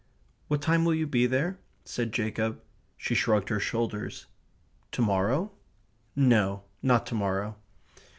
"What time will you be there?" said Jacob. She shrugged her shoulders. "To morrow?" No, not to morrow.